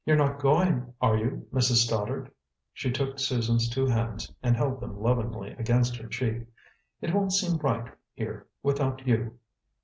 "You're not going, are you, Mrs. Stoddard?" She took Susan's two hands and held them lovingly against her cheek. "It won't seem right here, without you."